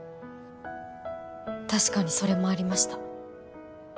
確かにそれもありました